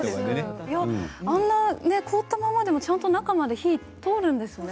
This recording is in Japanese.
あんな凍ったままでもちゃんと中まで火が通るんですね。